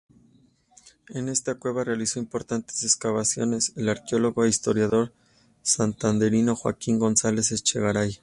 En esta cueva realizó importantes excavaciones el arqueólogo e historiador santanderino Joaquín González Echegaray.